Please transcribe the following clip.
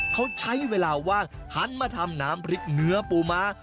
เขาใช้เวลาว่างหันมาทำน้ำพริกเนื้อปูม้า